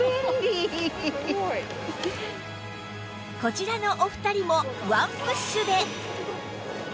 こちらのお二人もワンプッシュで